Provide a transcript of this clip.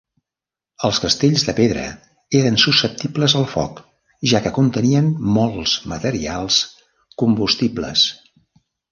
Els castells de pedra eren susceptibles al foc, ja que contenien molts materials combustibles.